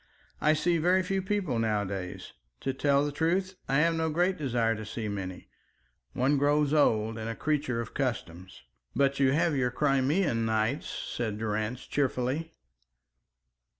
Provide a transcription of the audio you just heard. "I see very few people nowadays. To tell the truth I have no great desire to see many. One grows old and a creature of customs." "But you have your Crimean nights," said Durrance, cheerfully.